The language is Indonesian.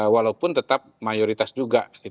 walaupun tetap mayoritas juga